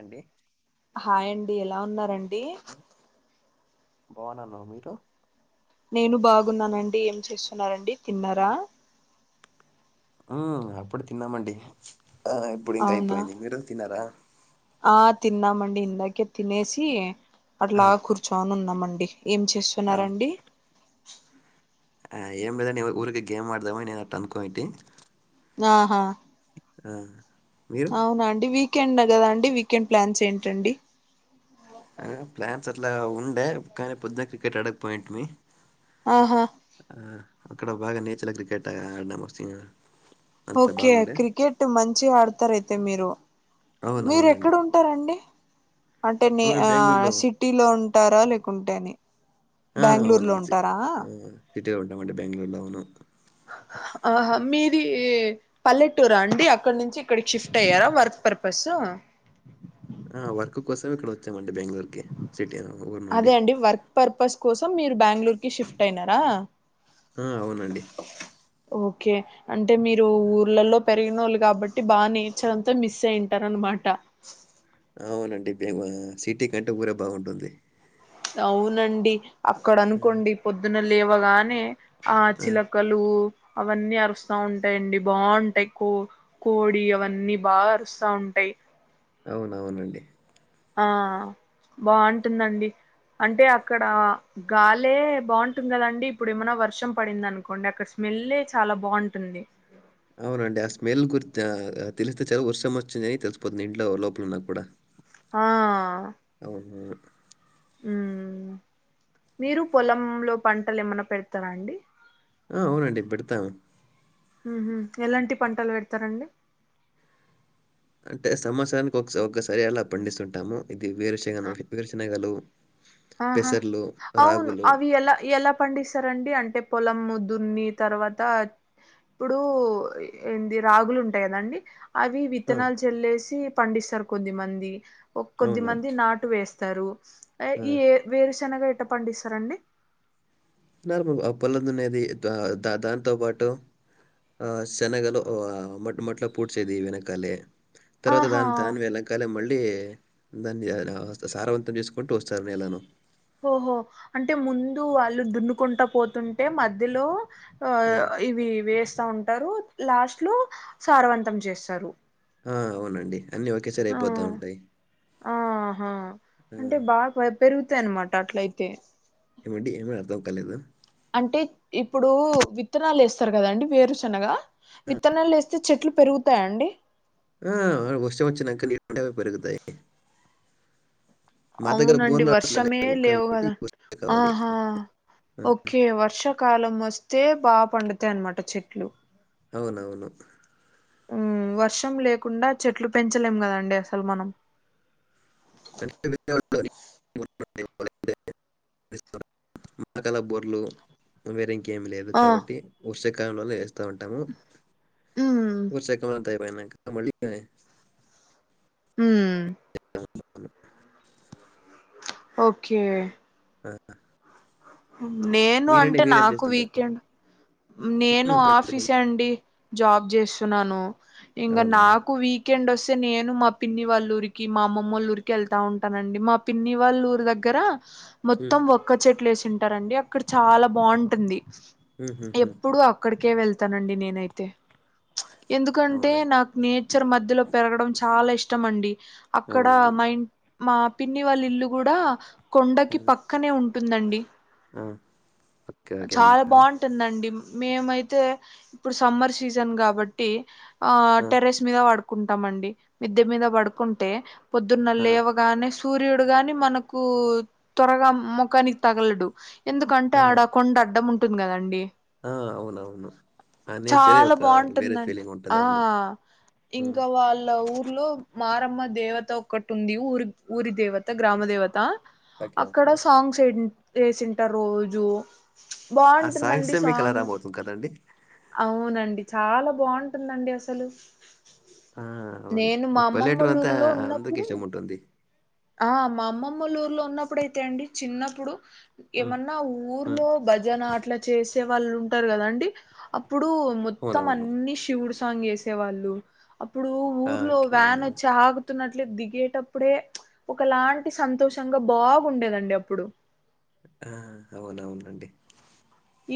అండి హాయ్ అండి ఎలా ఉన్నారండి బాగున్నాను మీరు నేను బాగున్నానండి ఏం చేస్తున్నారండి తిన్నారా ఉ అప్పుడు తిన్నామండి ఆ ఇప్పుడు ఇంకా అవునా అయిపోయింది మీరు తిన్నారా ఆ తిన్నామండి ఇందకే తినేసి ఆ, అట్లా కు చాను ఉన్నామండి ఏం ఆ, చేస్తున్నారండి ఆ ఏం లేదండి ఊరికే గేమ్ ఆడదామని అట్ అనుకోని టీ వాహ ఆ మీరు అవునండి వీకెండ్ గదా అండి వీకెండ్ ప్లాన్స్ ఏంటండీ అ ప్లాన్స్ అట్లా ఉండే కానీ పొద్దున క్రికెట్ అడకపోయింటివి ఆహా ఆ అక్కడ బాగా natural cricket number Seenu okay cricket మంచిగా ఆడతారు అయితే మీరు అవును మీరు ఎక్కడ అవునండి ఉ ఉంటారండి అంటే నే మేము ఆ బెంగళూరులో సిటీలో ఉంటారా లేకుంటే అని బాంగుళూరులో ఉంటారా ఇటే ఉంటామండి బాంగళూరులో ఉన్నాం ఆహా మీది ఏ పల్లెటూరా అండి అక్కడినుంచి ఇక్కడికి షిఫ్ట్ అయ్యారా వర్క్ పర్పస్ ఆ వర్క్ కోసం ఇక్కడ వచ్చామండి బెంగుళూరుకి సిటీ అవును అదే అండి వర్క్ పర్పస్ కోసం మీరు బాంగళూరుకి షిఫ్ట్ అయినరా ఆ అవునండి ఓకే అంటే మీరు ఆ ఊర్లలో పె తినోల్లు కాబట్టి బా నేచర్ అంత మిస్ అయ్యుంటారన్నమాట ఆవునండి బేవ ఆ సిటీ కంటే ఊరే బాగుంటుంది అవునండి అక్కడ ఆ! అనుకోండి పొద్దున లేవగానే ఆ చిలక చిలుకలు అవన్నీ అరుస్తా ఉంటాయండి బాగుంటాయి కో కోడి అవన్నీ బాగా అరుస్తా ఉంటాయి అవునవునండి ఆ బావుంటుందండి అంటే అక్కడ గాలే బాగుంటుంది గదండి ఇప్పుడు ఏమన్నా వర్షం పడింది అనుకోండి అక్కడ స్మెల్ చాలా బాగుంటుంది అవునండి ఆ స్మెల్ గుర్తే ఆ తెలిస్తే చాలు వర్షం వచ్చేదని తెలిసిపోతుంది ఇంట్లో లోపల ఉన్నా కూడా ఆ అవునా ఉమా మీరు పొలంలో పంటలు ఏమన్నా పెడతారండి ఆ అవునండి పెడతాం ఉహ ఎలాంటి పంటలు పెడతారండి అంటే సంవత్సరానికి ఒక్కసా ఒక్కసారి అలా పండిస్తుంటాము ఇది ఆ వేరుశగన వేరుశనగలు ఆహా అవును అవి ఎలా ఎలా పండిస్తారండి అంటే పొలం దున్ని తర్వాత ఇప్పుడు ఏండి రాగులు ఉంటాయి కదండీ అవి ఆ! విత్తనాలు చెల్లేసి పండిస్తారు కొద్దిమంది ఒక్ అవును. కొద్దిమంది నాటు వేస్ తరు అ ఆ! ఈ ఎ వేరుశనగా ఎట్ట పండిస్తారండి నార్మల్గ ఆ పొలం దున్నెది దా ద దాన్తో పాటు ఆ శనగలు ఉ ఆ [unintelligible] మొట్లో పూడ్చేది వెనకాలే తర్వాత ఆహా దాని దాని వెళ కాలే మళ్ళీ దాన్ని ఆ [unintelligible] సారవంతం చేసుకుంటూ వస్తారు నేలను ఓహొ అంటె ముందు వాళ్ళు దున్నుకుంట పోతుంటే మధ్యలో ఆ ఇవి వేస్త ఉంటారు లాస్ట్లో సారవంతం చేస్తరు ఆ అవునండి అన్నీ ఒకేసారి అయిపోతా ఉంటయ్ ఆహా ఆ అంటే బాగా పెరుగుతాయి అన్నమాట అట్లైతే ఏమండి ఏమి అర్థం కాలేదు అంటే ఇప్పుడు విత్తనాలు వేస్తరు గదండి వేరు శనగా విత్తనాలు ఎస్తే చెట్లు పెరుగుతాయండి ఆ వర్షం వచ్చినంక నీళ్ళుంటె అవి పెరుగుతాయ్ అవునండి బోర్లు అట్లా వర్షమే లేవు కాబట్టి గద వర్షాలే కావాలి. ఆహా ఆ! ఓకే వర్ష కాలం వస్తే బా పండుతాయ్ అనమాట చెట్లు అవునవును మ్ వర్షం లేకుండ చెట్లు పెంచలేం గదండి అసలు మనం [inaudible] [inaudible] మాకలా బోర్లొ వేరే ఇంకేమి లేదు ఆ కాబట్టి వర్షా కాలంలోనే ఉమ్ [unintelligible] అంతా అయిపోయినాక మళ్ళీ హు [unintelligible] ఓకే ఆ నేను మీరండి అంటే మీరేం నాకు చేస్తుంటారు? వీకెండ్ హ్మ్. నేను చెప్పండి చెప్పండి. ఆఫీసే అండి జాబ్ జేస్తున్నాను ఇంగ అవునా నాకు వీ వికేండోస్తే నేను మా పిన్ని వాళ్ళుర్కి మా అమ్మ వాళ్ళుర్కి వెళ్తా ఉంటానండి మ పిన్ని వాళ్ళ ఊరు దగ్గర హ్మ్ మొత్తం ఒక్క చెట్లు వేసింటారండి అక్కడ చాల బాగుంటుంది హ్మ్ హ్మ్ హ్మ్ ఎప్పుడు అక్కడ్కే వెళ్తానండి నేనైతే ఎందుకంటే అవునా నా నేచర్ మధ్యలో పెర్గడం చాలా ఇష్టమండి అక్కడ అవునవును. మైం మా పిన్ని వాళ్ళిల్లు కూడ ఆ! కొండకి పక్కనే ఉంటుందండి ఆ ఓకే. ఓకే. అవునా? చాల బాగుంటుందండి మేమైతే ఇప్పుడు సమ్మర్ సీజన్ కాబట్టి ఆ టెరెస్ మీద వడుకుంటమండి మిద్దె మీద పడుకుంటే పొద్దున్న ఆ! లేవగానే సూర్యుడు గాని మనకు త్వరగా మోఖానికి తగ్లడు ఎందుకంటే ఆ! ఆడ కొండ అడ్డముంటుంది కదండి ఆ అవును అవును ఆ నచరే చాలా ఒక వేరే ఫీలింగ్ ఉంటుంది అవును ఇంక హ్మ్. వాళ్ళ ఊర్లో మారమ్మ దేవత ఒక్కటి ఉంది ఊరి ఊరి దేవత గ్రామ దేవత ఓకే. అక్కడ ఓకే. సాంగ్స్ వే వేసింటారు రోజు ఆ బటుందండి సాంగ్సే మీకు సాంగ్ అలారం అవుతుంది కదండీ! అవ్నండిచాల బాగుంటుందండి అసలు ఆ! అవును. నేను మా అమ్మమ్మ ఒళ్ల పల్లెటూరంతా ఊర్లో అందరికి ఉన్నప్పుడు ఇష్టముంటుంది. ఆ మా అమ్మమ్మలూర్లో ఉన్నప్పుడైతే అండి చిన్నప్పుడు హ్మ్. ఏమన్నా హ్మ్. ఊర్లో భజన అట్లా చేసే వాళ్ళుంటారు కదండి అప్పుడు మొత్తం అవునవును. అన్ని శివుడు సాంగ్ వేసే వాళ్ళు అప్పుడు ఆ! ఊర్లో ఓకే. అవునా? వ్యాన్ ఒచ్చి ఆ తున్నట్లు దిగేటప్పుడే ఒకలాంటి సంతోషంగా బాగుండేదండి అప్పుడు ఆ అవునవునండి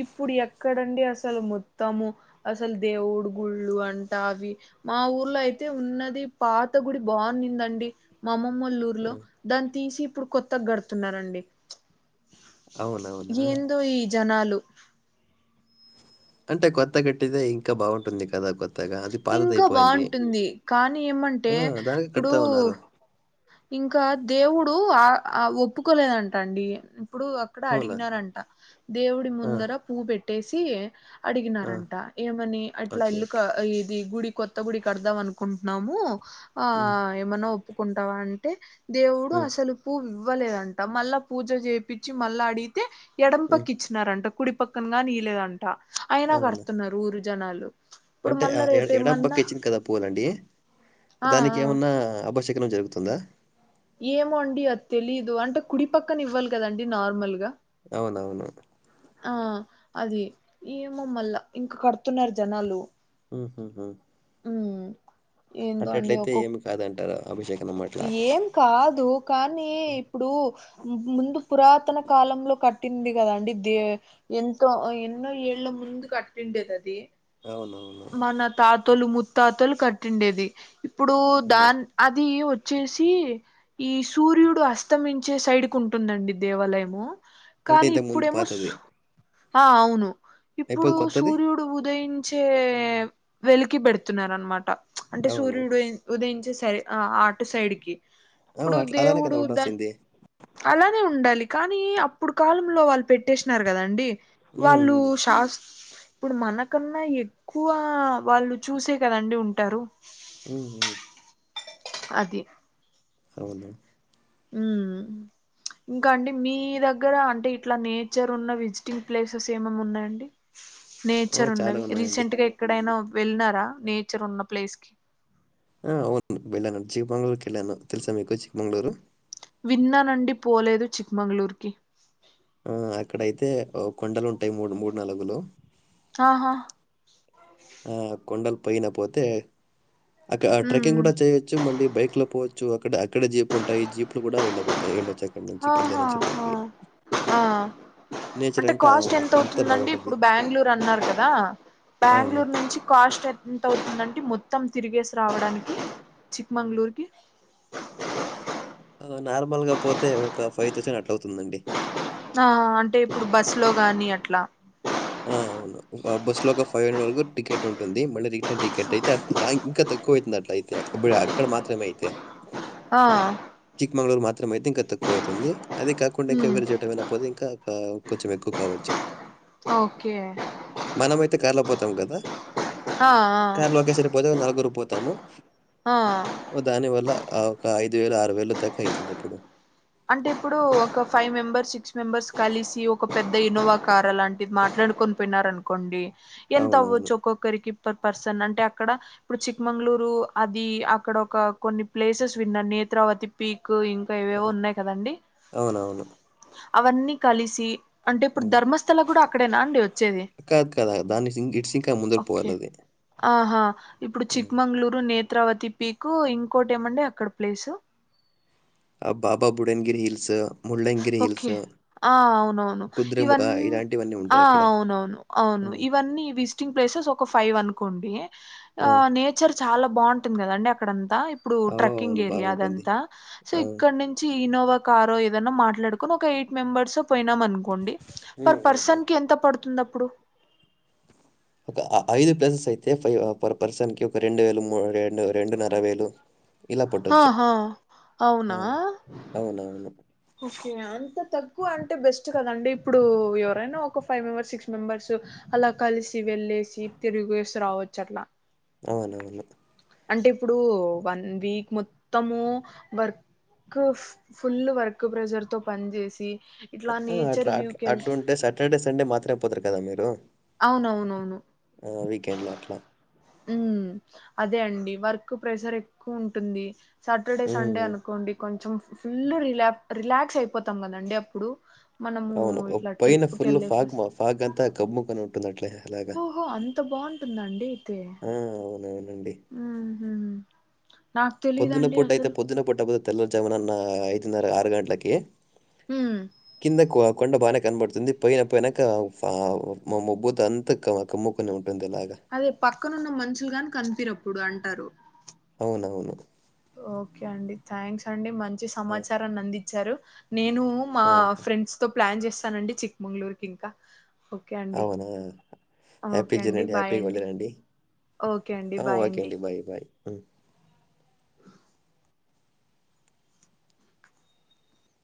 ఇప్పుడు ఎక్కడండి అసలు మొత్తము అసలు దేవుడు గుళ్ళు అంటా అవి మా ఊర్లో అయితే ఉన్నది పాత గుడి బాగున్నిందండి మా అమ్మమ్మళ్ళు ఆ! లో దాన్ని తీసి ఇప్పుడు కొత్తగ కడ్తున్నరండి అవునవునా? ఏందో ఈ జనాలు అంటే కొత్తగా కట్టిదే ఇంకా బాగుంటుంది కదా కొత్తగా అది ఇంకా పాతదైపోయింది బాగుంటుంది కానీ ఏమంటే ఆ దానికి ఇప్పుడు కడతా ఉన్నారు ఇంకా దేవుడు ఆ ఆ ఒప్పుకోలేదంటండి ఇప్పుడు అవునా? అడిగినారంట దేవుడి ఆ! ముందర పూవు పెట్టేసి ఆ! అడిగినారంట ఏమని అట్లా ఓకే. ఎల్లుక ఇది గుడి కొత్త గుడి కడ్దామనుకుంటున్నాము ఆ హ్మ్. ఏమన్నా ఒప్పుకుంటావా అ అంటే దేవుడు హ్మ్. అసలు పూవ్వు ఇవ్వలేదంట మళ్ళా పూజ చేపించి మళ్ళా అడి కే ఎడం హ్మ్. పకిచ్చినారంట కుడి పక్కన గానీ ఇలేదంట అయినా అవునా? కడ్తున్నారు ఊరు జనాలు ఇప్పుడు అంటే మళ్ళా ఎడం రేపేమన్నా పక్కిచ్చింది కదా పూలండి ఆ ఆ దానికేమన్నా అభశ్యేకునం జరుగు తుందా ఏమో అండి అది తెలీదు అంటే కుడి పక్కనివ్వాలి కదండి నార్మల్గా అవునవును ఆ అది ఏమో మళ్ళా ఇంకా కడ్తున్నారు జనాలు ఉహు ఉమ్ ఏందో అండి అటట్లయితే ఒక్కొక్క ఏమి కాదంటారా ఏం కాదు కానీ ఇప్పుడు ముందు పురాతన కాలంలో కట్టింది కదా అండి దే ఎంతో ఎన్నో ఏళ్ళ ముందు కట్టిండేది అది అవునవును మన తాతోళ్లు ముత్తాతోల్లు కట్టిండేది ఇప్పుడు హ్మ్. దాన్ అది వచ్చేసి ఈ సూర్యుడు అస్తమించే సైడ్కు ఉంటుందండి దేవాలయము అంటే కానీ ఇంతకు ముందు ఇప్పుడేమో పాతది. సు ఆ అవును ఇప్పుడు సూర్యుడు ఉదయించే వెలికి పెడుతున్నరనమాట అంటే అవును. సూర్యుడు ఉదయించే సరే ఆ అటు సైడ్కి అవును. ఇప్పుడు అట్లా అలానే కదా దేవుడు దాని ఉండాల్సింది. అలానే ఉండాలి కానీ అప్పుడు కాలంలో వాళ్ళు పెట్టేసినారు కదండి హ్మ్. వాళ్ళు హ్మ్. శాస్త ఇప్పుడు మనకన్నా ఎ క్కువ వాళ్ళు చూసే కదండి ఉంటారు ఉమ్ అది అవును ఉమ్మ్ అ ఇంకా అండి మీ దగ్గర అంటే ఇట్లా నేచర్ ఉన్న విజిటింగ్ ప్లేసెస్ ఏమేం ఉన్నాయండి నేచర్ ఓహ్! చాలా ఉన్నవి ఉన్నాయండి. రీసెంట్ గా ఎక్కడైనా వెళ్ళినారా నేచర్ ఉన్న ప్లేస్ కి ఆ అవును వెళ్ళానండి చిక్మంగ్ళూరుకేళ్ళను తెల్సా మీకు చిక్మంగ్ళూరు విన్నానండి పోలేదు చిక్మంగళూరు కి ఆ అక్కడయితే కొండలు ఉంటాయి ఓ మూడు మూడు నలుగులు ఆహా ఆ కొండలు పోయిన పోతే అక్క ట్రెక్కింగ్ ఉమ్ కూడా చేయో చ్చు మళ్ళీ బైక్ లో పోవచ్చు అక్కడ అక్కడ జీప్ ఉంటాయి జీప్లు కూడా వెళ్ళవుతాయిళ్ళొచ్చు ఆహాహా ఆహ్ నేచర్ అంటే అంట కాస్ట్ ఎంత అంతా అవుతుందండి బాగుంటుంది. ఇప్పుడు బ్యాంగ్ళూర్ అన్నారు కదా అవును. బ్యాంగ్ళూర్ నుంచి కాస్ట్ ఎన్ తవుతుందంటి మొత్తం తిరిగేసి రావడానికి చిక్మంగళూరు కి నార్మల్ గా పోతే ఒక ఫైవ్ థౌసండ్ అట్లా అవుతుందండి ఆ అంటే ఇప్పుడు బస్సు లో గాని అట్లా ఆ అవును బస్ లో ఒక ఫైవ్ హండ్రెడ్ వరకు టికెట్ ఉంటుంది మళ్ళీ రిటర్న్ టికెట్ అయితే ఇంకా తక్ కువా అయితుంది అట్లయితే అక్కడ మాత్రమే అయితే ఆ చిక్మంగళూరు మాత్రమ అయితే ఇంకా తక్కువ ఐతుంది అదే కాకుండా ఇంకా ఉమ్, వేరు చోటా ఏమైనా పోతే ఇంకా ఆ కొంచెం ఎక్కువ కావోచ్చు ఓకే మనమ అయితే కార్లో పోతాం కదా ఆ కార్లో ఒకేసరి పోతే నలుగురు పోతాము ఆ ఓ దాని వల్ల ఒక ఐదు వేలు ఆరు వేలు దాకా అయితుంది ఇప్పుడు అంటే ఇప్పుడు ఒక ఫైవ్ మెంబెర్స్ సిక్స్ మెంబెర్స్ కలిసి ఒక పెద్ద ఇన్నోవా కార్ అలాంటిది మాట్లాడుకొన్ పోయినారనుకోండి ఎంత అవునవును. అవ్వొచ్చు ఒక్కొక్కరికి పర్ పర్సన్ అంటే అక్కడ ఇప్పుడు చిక్మంగళూరు అది అక్కడ ఒక కొన్ని ప్లేసెస్ విన్నా నేత్రవతి పీకు ఇం ఆ! ఏవేవో ఉన్నాయి కదండి అవునవును. అవన్నీ కలిసి అంటే ఇప్పుడు ధర్మస్థల కూడా అక్కడేనా అండి వచ్చేది కాద్ కాద్ దాని సింక్ ఇట్ సింక్ ముంద్ ఒకే ఆహా ఇప్పుడు ఆ! చిక్మంగళూరు నేత్రవతి పీకు ఇంకోటి ఏమండి అక్కడ ప్లేసు ఆ Baba Budangiri hills Mullayanagiri okay hills ఆ అవునవును కుద్రేముఖ ఇవన్ ఇలాంటివన్నీ ఆ ఉంటాయక్కడ. అవునవును అవును హ్మ్. ఇవన్నీ విజ్ స్టింగ్ ప్లేసెస్ ఒక ఫైవ్ అనుకోండి ఆ నేచర్ చాలా బాగుంటుంది కదండి అక్కడంతా ఇప్పుడు ట్రకింగ్ అవును. ఏరియా బాగుంటుంది. అదంతా సో ఆ! ఇక్కడ్ నుంచి ఇనోవా కారో ఏదన్నా మాట్లాడుకొని ఒక ఎయిట్ మెంబర్స్ పోయినాం అనుకోండి హ్మ్. పర్ హుహు. పర్సన్ కి ఎంత పడుతుంది అప్పుడు ఒక ఐ ఐదు ప్లేసెస్ అయితే ఫైవ్ పర్ పర్సన్ కి ఒక రెండు వేలు ము రెండ్ రెండున్నర వేలు ఆహాహా ఆ! అవునా అవునవును. ఓకే అంత తక్కువ అంటే బెస్ట్ కదండి ఇప్పుడు ఎవరైనా ఒక ఫైవ్ మెంబర్స్ సిక్స్ మెంబెర్స్ అలా కలిసి వెళ్ళేసి తిరిగేసి రావచ్చు అట్లా అవునవును అంటే ఇప్పుడు వన్ వీక్ మొత్తము work full work pressure తో పని చేసి ఇట్లా ఆ ఆట్ నేచర్ అట్లా ఆ వ్యూకి వెళ్ అట్లుంటే సాటర్డే సండే మాత్రమే పోతారు కదా మీరు అవునవునువును ఆ వీకెండ్ లా అట్లా ఉ అదే అండి వర్క్ ప్రెషర్ ఎక్కువ ఉంటుంది సాటర్డే హ్మ్. సండే హ్మ్. అనుకోండి కొంచెం ఫుల్ రిలా రిలాక్స్ అయిపోతాం కదండి అప్పుడు మనము అవును. ఓహ్! ఇట్లా పైన ట్రిప్కి ఫుల్ వెళ్ళేసే ఫాగ్ మ ఫాగ్ అంతా కమ్ముకని ఉంటుందట్లే అలాగా ఓహో అంత బాగుంటుందండి అయితే ఆ అవునవునండి ఉ పొద్దున పూట అయితే పొద్నన్నా పూట తెల్లారు జామున ఐదున్నరా ఆరు గంటలకే ఉమ్ కిందకు కొండా బాగానే కనబడుతుంది పోయిన పోయినాక మా మబ్బు అంతా కమ్ముకుని ఉంటుంది అలాగా అదే పక్కనున్న మనుషులు గాని కనిపియారప్పుడు అంటారు అవునవును ఓకే అండి థ్యాంక్స్ అండి మంచి ఆ! సమాచారాన్ని అందించారు నేను మా ఆహా! ఫ్రెండ్స్ తో ప్లాన్ చేస్తానండి చిక్మంగళూరు కి ఇంకా ఓకే అండి. అవునా హ్యాపీ జర్నీ అండి హ్యాపీగా వెళ్ళిరండి ఓకే అండి. ఆ బాయ్ ఓకే అండి బాయ్ బాయ్